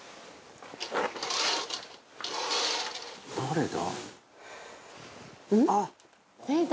「誰だ？」